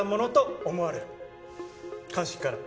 鑑識から。